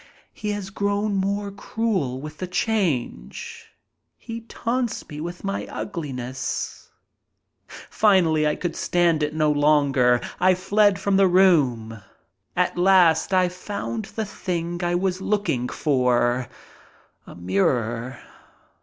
He has grown more cruel with the change. He taunts me with my ugliness. Finally I could stand it no longer. I fled from the room. At last I found the thing I was looking for—a mirror.